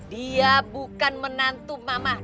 dia bukan menantu mama